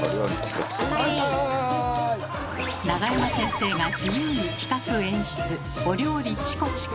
永山先生が自由に企画・演出「お料理チコチコ」。